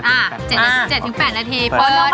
๗๘นาทีเปิด